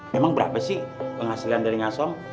memang berapa sih penghasilan dari ngasong